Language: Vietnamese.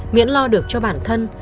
miễn lo được cho bản thân